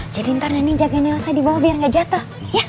jadi nanti jagain nelsa dibawah biar gak jatuh